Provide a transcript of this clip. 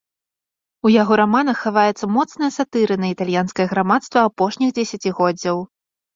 У яго раманах хаваецца моцная сатыра на італьянскае грамадства апошніх дзесяцігоддзяў.